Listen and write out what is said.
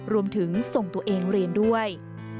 รวมถึงส่งตัวเองเรียนด้วย